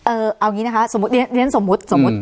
เอาอย่างงี้นะคะสมมุติ